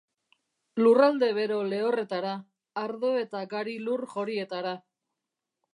Lurralde bero lehorretara, ardo eta gari lur jorietara.